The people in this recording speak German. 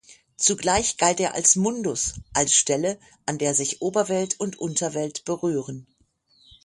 Zugleich galt er als "Mundus", als Stelle, an der sich Oberwelt und Unterwelt berühren.